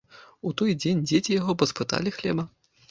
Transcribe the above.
У той дзень дзеці яго паспыталі хлеба.